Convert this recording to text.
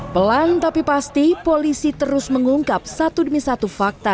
pelan tapi pasti polisi terus mengungkap satu demi satu fakta